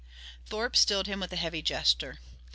Thorpe stilled him with a heavy gesture.